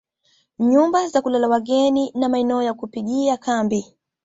Nyumba za kulala wageni na maeneo ya kupigia kambi